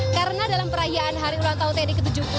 karena dalam perayaan hari ulang tahun tni ke tujuh puluh dua